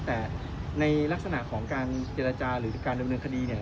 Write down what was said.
แต่ในลักษณะของการเจรจาหรือการดำเนินคดีเนี่ย